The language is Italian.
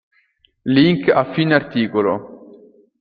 Link a fine articolo.